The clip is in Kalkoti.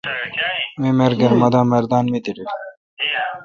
می ملگر مہ دا مردان می دیرل۔